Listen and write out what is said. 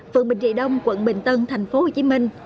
phường bình trị đông quận bình tân tp hcm